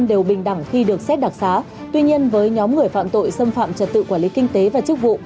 đều bình đẳng khi được xét đặc xá tuy nhiên với nhóm người phạm tội xâm phạm trật tự quản lý kinh tế và chức vụ